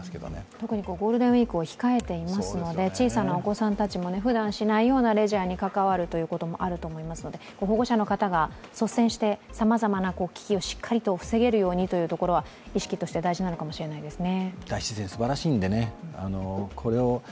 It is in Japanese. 特にゴールデンウイークを控えていますので、小さなお子さんたちもふだんしないようなレジャーに関わるということもあると思いますので保護者の方が、率先してさまざまな危機を守ることは意識として大事なのかもしれないですね。